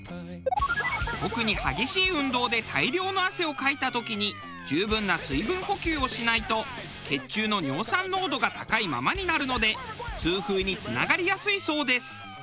特に激しい運動で大量の汗をかいた時に十分な水分補給をしないと血中の尿酸濃度が高いままになるので痛風につながりやすいそうです。